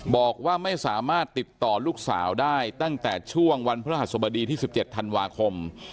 บอกว่าไม่สามารถติดต่อลูกสาวได้ตั้งแต่ช่วงวันพระหัสบดีที่๑๗ธันวาคม